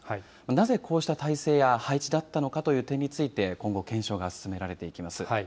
なぜこうした態勢や配置だったのかという点について、今後、検証が進められていきます。